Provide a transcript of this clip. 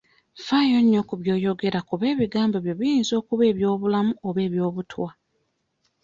Faayo nnyo ku by'oyogera kuba ebigambo byo biyinza okuba eby'obulamu oba eby'obutwa.